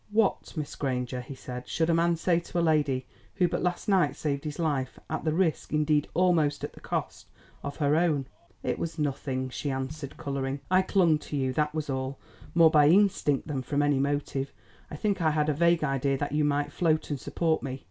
"What, Miss Granger," he said, "should a man say to a lady who but last night saved his life, at the risk, indeed almost at the cost, of her own?" "It was nothing," she answered, colouring; "I clung to you, that was all, more by instinct than from any motive. I think I had a vague idea that you might float and support me."